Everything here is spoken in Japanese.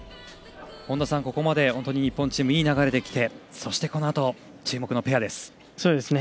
本田さん、ここまで日本チームいい流れで来てそして、このあと注目のペアです。